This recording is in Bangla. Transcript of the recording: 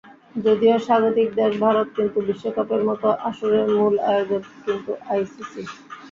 যদিও স্বাগতিক দেশ ভারত, কিন্তু বিশ্বকাপের মতো আসরের মূল আয়োজক কিন্তু আইসিসি।